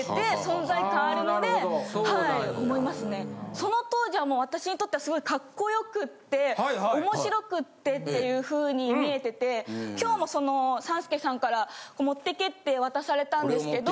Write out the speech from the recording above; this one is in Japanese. その当時は私にとってはすごいカッコよくって面白くってっていうふうに見えてて今日もその３助さんから。って渡されたんですけど。